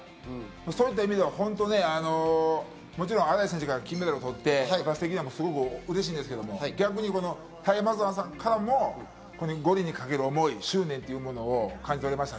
そういった意味では本当に、もちろん新井選手が金メダルを取って、嬉しいんですけど、逆にタイマゾワさんからも五輪にかける思い、執念というのを感じ取れました。